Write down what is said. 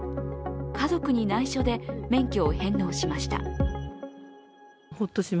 家族に内緒で免許を返納しました。